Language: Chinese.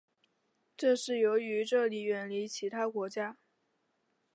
这是由于这里远离其他国家。